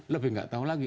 lebih gak tau lagi